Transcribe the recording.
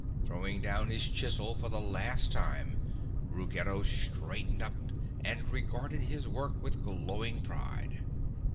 Throwing down his chisel for the last time, Ruggedo straightened up and regarded his work with glowing pride.